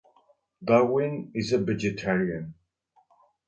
Darwin is a vegetarian.